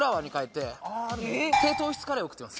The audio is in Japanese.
低糖質カレーを食ってます